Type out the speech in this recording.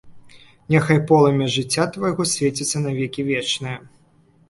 Няхай полымя жыцця твайго свеціцца на векі вечныя!